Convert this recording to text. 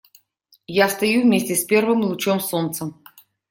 Я встаю вместе с первым лучом солнца.